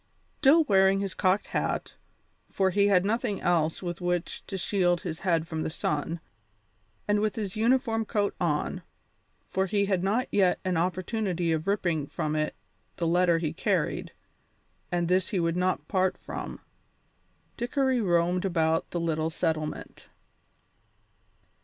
Still wearing his cocked hat for he had nothing else with which to shield his head from the sun and with his uniform coat on, for he had not yet an opportunity of ripping from it the letter he carried, and this he would not part from Dickory roamed about the little settlement.